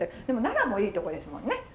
でも奈良もいいとこですもんね。